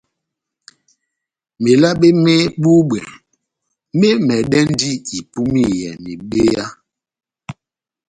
Melabe mé búbwɛ mémɛdɛndi ipúmiyɛ mebeya.